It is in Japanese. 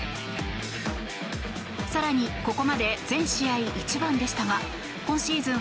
更に、ここまで全試合１番でしたが今シーズン